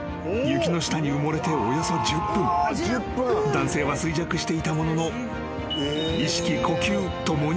［男性は衰弱していたものの］